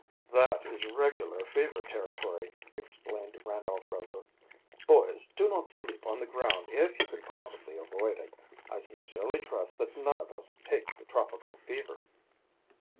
"That is regular fever territory," explained Randolph Rover. "Boys, do not sleep on the ground if you can possibly avoid it. I sincerely trust that none of us take the tropical fever."